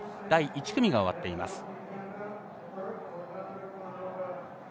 第１組が終わっています。